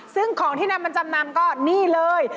ซึ่งของที่นำมาจำนำก็นี่เลย